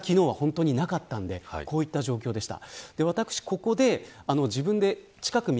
昨日は風がほんとになかったのでこういった状況でした。